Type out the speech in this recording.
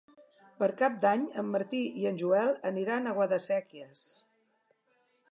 Per Cap d'Any en Martí i en Joel aniran a Guadasséquies.